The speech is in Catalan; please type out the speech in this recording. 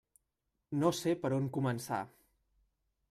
No sé per on començar.